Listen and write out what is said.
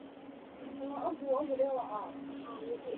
兄长是李袭志。